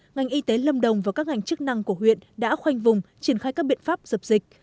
ngành y tế lâm đồng và các ngành chức năng của huyện đã khoanh vùng triển khai các biện pháp dập dịch